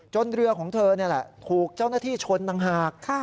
จนเรือของเธอถูกเจ้าหน้าที่ชนต่างหาก